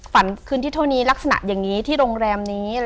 คืนที่เท่านี้ลักษณะอย่างนี้ที่โรงแรมนี้